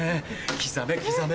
刻め刻め！